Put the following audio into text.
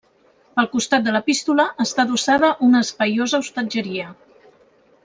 Pel costat de l'epístola està adossada una espaiosa hostatgeria.